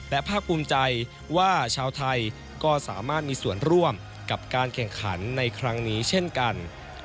และภาคภูมิใจว่าชาวไทยก็สามารถมีส่วนร่วมกับการแข่งขันในครั้งนี้เช่นกัน